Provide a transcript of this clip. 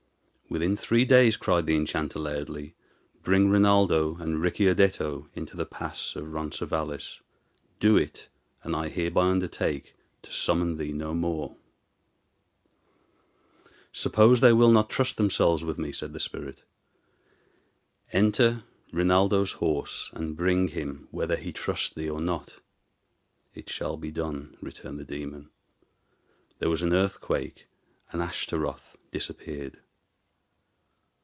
"Within three days," cried the enchanter, loudly, "bring Rinaldo and Ricciardetto into the pass of Ronces Valles. Do it, and I hereby undertake to summon thee no more." "Suppose they will not trust themselves with me?" said the spirit. "Enter Rinaldo's horse, and bring him, whether he trust thee or not." "It shall be done," returned the demon. There was an earthquake, and Ashtaroth disappeared.